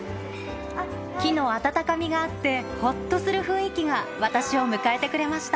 木の温かみがあって、ほっとする雰囲気が私を迎えてくれました。